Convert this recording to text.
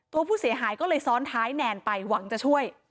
ตัวผู้เสียหายก็เลยซ้อนท้ายแนนไปหวังจะช่วย